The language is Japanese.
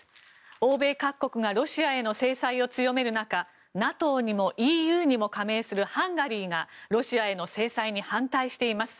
欧米各国がロシアへの制裁を強める中ＮＡＴＯにもＥＵにも加盟するハンガリーがロシアへの制裁に反対しています。